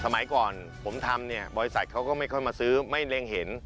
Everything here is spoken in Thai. สมัยก่อนผมทำเนี่ยบริษัทเขาก็ไม่ค่อยมาซื้อไม่เล็งเห็น